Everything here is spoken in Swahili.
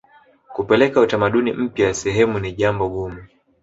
kupeleka utamaduni mpya sehemu ni jambo gumu